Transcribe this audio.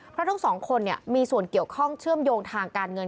เพราะทั้งสองคนมีส่วนเกี่ยวข้องเชื่อมโยงทางการเงิน